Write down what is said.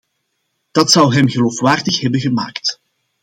Dat zou hem geloofwaardig hebben gemaakt.